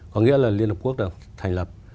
có nghĩa là liên hợp quốc đã thành lập